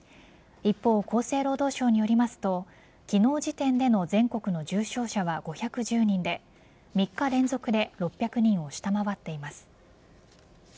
一方、厚生労働省によりますと昨日時点での全国の重症者は５１０人で３日連続で６００人を下回っています。